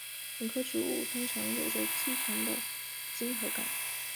本科植物通常有着细长的茎与叶。